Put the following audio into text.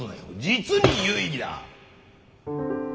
実に有意義だ！